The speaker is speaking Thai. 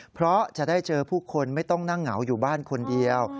เพราะจะได้เจอผู้คนไม่ต้องนั่งเหงาอยู่บ้านคนเดียว